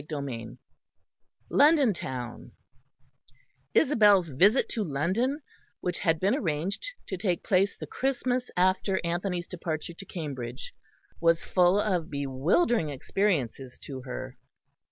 CHAPTER III LONDON TOWN Isabel's visit to London, which had been arranged to take place the Christmas after Anthony's departure to Cambridge, was full of bewildering experiences to her.